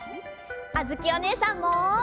あづきおねえさんも！